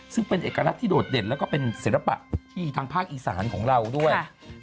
ซึ่งเป็นเอกลักษณ์ที่โดดเด่นแล้วก็เป็นศิลปะที่ทางภาคอีสานของเราด้วย